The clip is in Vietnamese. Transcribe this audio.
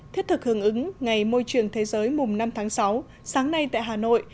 thiết thực hưởng ứng ngày môi trường thế giới mùng năm tháng sáu sáng nay tại hà nội